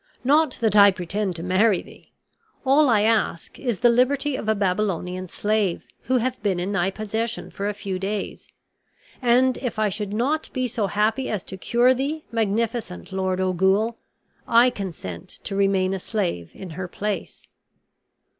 Not that I pretend to marry thee. All I ask is the liberty of a Babylonian slave, who hath been in thy possession for a few days; and, if I should not be so happy as to cure thee, magnificent Lord Ogul, I consent to remain a slave in her place."